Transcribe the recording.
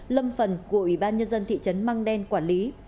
lâm phần của ủy ban nhân dân thị trấn mang đen quản lý